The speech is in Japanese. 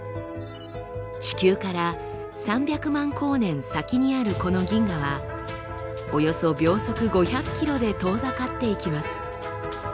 地球から３００万光年先にあるこの銀河はおよそ秒速５００ｋｍで遠ざかっていきます。